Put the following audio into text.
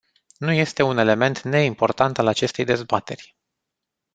Nu este un element neimportant al acestei dezbateri.